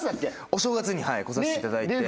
お正月に来させていただいて。